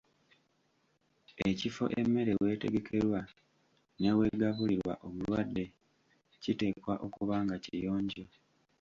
Ekifo emmere w’etegekerwa n’eweegabulirwa omulwadde kiteekwa okuba nga kiyonjo.